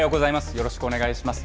よろしくお願いします。